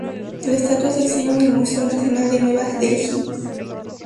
La estatua se exhibe en el Museo Nacional de Nueva Delhi.